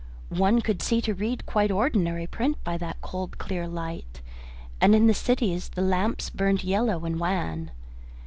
One could see to read quite ordinary print by that cold, clear light, and in the cities the lamps burnt yellow and wan.